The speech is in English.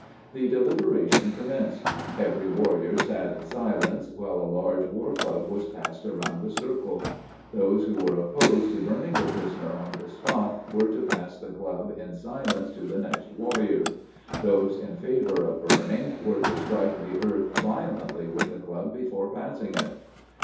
The deliberation commenced. Every warrior sat in silence, while a large warclub was passed round the circle. Those who were opposed to burning the prisoner on the spot, were to pass the club in silence to the next warrior. Those in favor of burning were to strike the earth violently with the club before passing it.